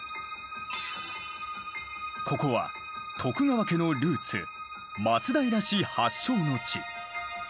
ここは徳川家のルーツ松平氏発祥の地。